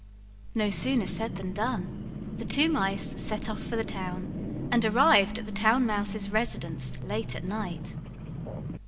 No sooner said than done: the two mice set off for the town and arrived at the Town Mouse's residence late at night.